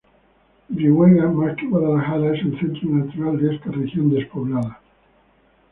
Brihuega más que Guadalajara, es el centro natural de esta región despoblada.